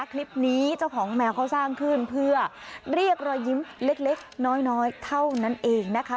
คลิปนี้เจ้าของแมวเขาสร้างขึ้นเพื่อเรียกรอยยิ้มเล็กน้อยเท่านั้นเองนะคะ